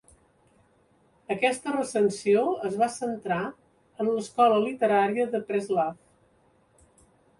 Aquesta recensió es va centrar en l'escola literària de Preslav.